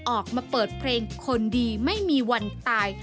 ออกมาเปิดเพลงคนดีไม่มีวันตาย